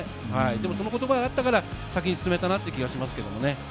その言葉があったから先に進めたなという気がしました。